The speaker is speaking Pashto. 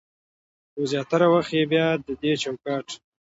خو زياتره وخت يې بيا د دې چوکاټ